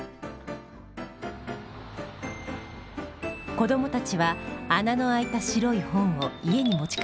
子どもたちは穴のあいた白い本を家に持ち帰りました。